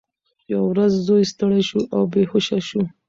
یوه ورځ زوی ستړی شو او بېهوښه شو.